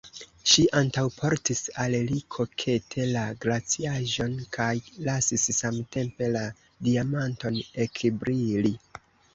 Ŝi antaŭportis al li kokete la glaciaĵon kaj lasis samtempe la diamanton ekbrili.